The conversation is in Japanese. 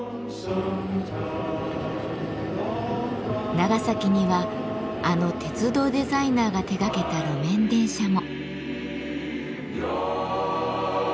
長崎にはあの鉄道デザイナーが手がけた路面電車も。